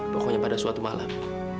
pokoknya pada suatu malam